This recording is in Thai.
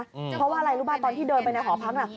เพราะว่าอะไรรู้ป่ะตอนที่เดินไปในหอพักน่ะ